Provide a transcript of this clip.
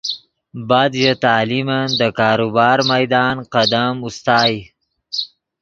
بعد ژے تعلیمن دے کاروبار میدان قدم اوستائے